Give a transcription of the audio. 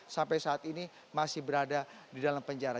sampai saat ini masih berada di dalam penjara